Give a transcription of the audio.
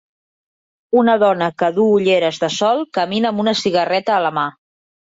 Una dona que duu ulleres de sol camina amb una cigarreta a la mà.